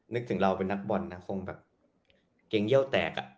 นึกถึงเราเป็นนักบอลนะคงแบบเกรงเยี่ยวแตกอ่ะ